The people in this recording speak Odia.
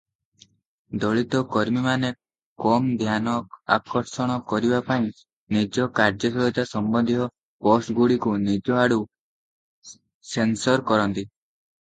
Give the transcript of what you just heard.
ଦଳିତ କର୍ମୀମାନେ କମ ଧ୍ୟାନ ଆକର୍ଷଣ କରିବା ପାଇଁ ନିଜ କାର୍ଯ୍ୟଶୀଳତା ସମ୍ବନ୍ଧୀୟ ପୋଷ୍ଟଗୁଡ଼ିକୁ ନିଜ ଆଡ଼ୁ ସେନ୍ସର କରନ୍ତି ।